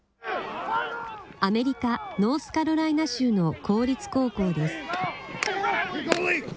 アメリカ・ノースカロライナ州の公立高校です。